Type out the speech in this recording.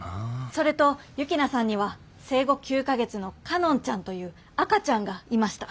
それと幸那さんには生後９か月の佳音ちゃんという赤ちゃんがいました。